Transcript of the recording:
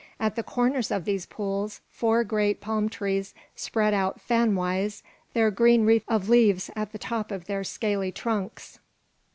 At the corners of these pools four great palm trees spread out fanwise their green wreath of leaves at the top of their scaly trunks.